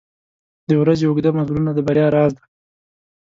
• د ورځې اوږده مزلونه د بریا راز دی.